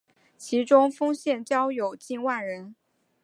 其中丰县教友近万人。